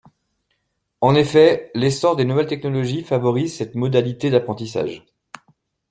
En effet, l’essor des nouvelles technologies favorise cette modalité d’apprentissage.